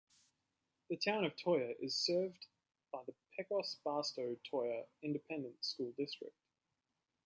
The Town of Toyah is served by the Pecos-Barstow-Toyah Independent School District.